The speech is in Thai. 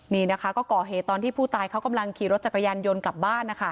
นี่นะคะก็ก่อเหตุตอนที่ผู้ตายเขากำลังขี่รถจักรยานยนต์กลับบ้านนะคะ